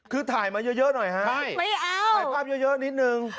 คือถ่ายมาเยอะหน่อยฮะถ่ายเยิ้ร์นิดนึงไม่เอา